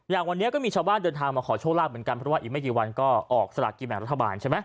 อย่างวันนี้ก็มีชาวบ้านเดินทางมาขอโชคลาภเหมือนกันเพราะว่าอีกไม่กี่วันก็ออกสลากกินแบ่งรัฐบาลใช่ไหม